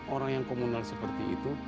orang yang komunal seperti itu